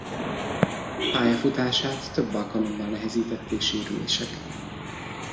Pályafutását több alkalommal nehezítették sérülések.